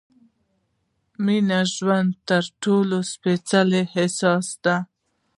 مینه د ژوند تر ټولو سپېڅلی احساس دی.